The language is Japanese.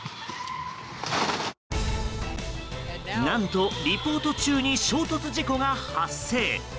何とリポート中に衝突事故が発生。